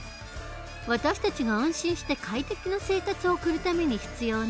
私たちが安心して快適な生活を送るために必要な公共サービス。